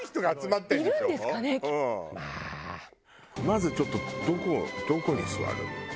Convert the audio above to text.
まずちょっとどこに座る？